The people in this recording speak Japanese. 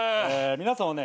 皆さんはね